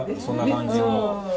そんな感じの。